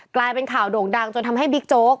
กลายเป็นข่าวโด่งดังจนทำให้บิ๊กโจ๊ก